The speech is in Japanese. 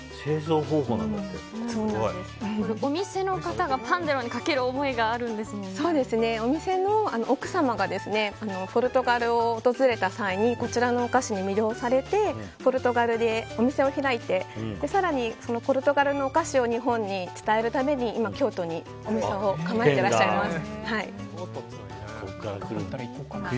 お店の方のパォンデローにかける思いがお店の奥様がポルトガルを訪れた際にこちらのお菓子に魅了されてポルトガルでお店を開いて更にポルトガルのお菓子を日本に伝えるために今、京都にお店を構えていらっしゃいます。